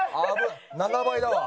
７倍だわ。